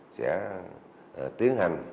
sẽ tiến hành